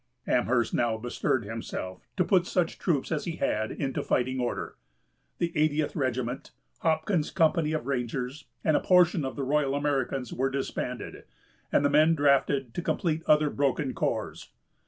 Amherst now bestirred himself to put such troops as he had into fighting order. The 80th regiment, Hopkins's company of Rangers, and a portion of the Royal Americans, were disbanded, and the men drafted to complete other broken corps.